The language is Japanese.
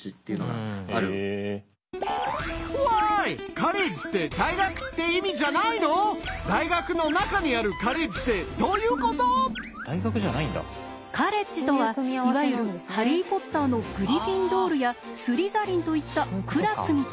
カレッジとはいわゆる「ハリー・ポッター」のグリフィンドールやスリザリンといったクラスみたいなもの。